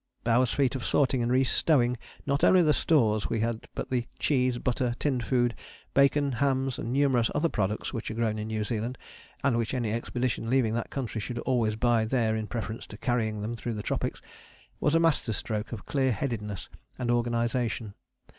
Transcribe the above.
Bowers' feat of sorting and restowing not only the stores we had but the cheese, butter, tinned foods, bacon, hams and numerous other products which are grown in New Zealand, and which any expedition leaving that country should always buy there in preference to carrying them through the tropics, was a masterstroke of clear headedness and organization.